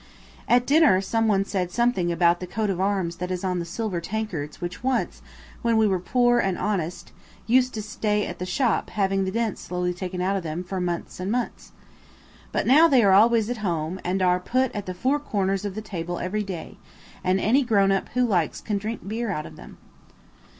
At dinner some one said something about the coat of arms that is on the silver tankards which once, when we were poor and honest, used to stay at the shop having the dents slowly taken out of them for months and months. But now they are always at home and are put at the four corners of the table every day, and any grown up who likes can drink beer out of them.